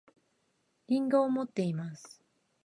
りんごを持っています